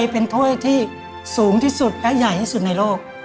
เป็นถ้วยที่สูงที่สุดและใหญ่ที่สุดในโลก